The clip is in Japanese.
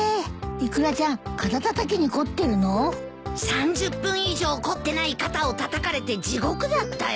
３０分以上凝ってない肩をたたかれて地獄だったよ。